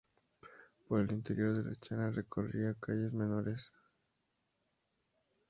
Por el interior de La Chana recorría calles menores.